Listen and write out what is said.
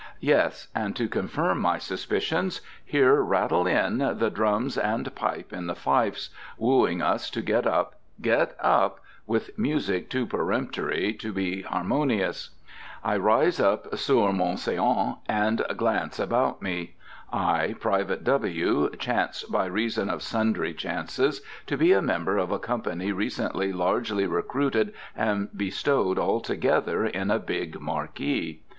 Yes, and, to confirm my suspicions, here rattle in the drums and pipe in the fifes, wooing us to get up, get up, with music too peremptory to be harmonious. I rise up sur mon séant and glance about me. I, Private W., chance, by reason of sundry chances, to be a member of a company recently largely recruited and bestowed all together in a big marquee.